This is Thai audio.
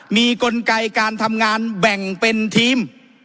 มีกลไกการทำงานแบ่งเป็นทีม